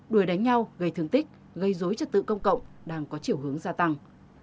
đuổi đánh nhau gây thương tích gây dối trật tự công cộng đang có chiều hướng gia tăng